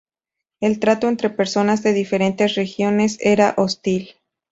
El trato entre personas de diferentes regiones era hostil.